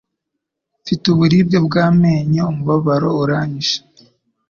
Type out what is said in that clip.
Mfite uburibwe bw'amenyo. Umubabaro uranyishe.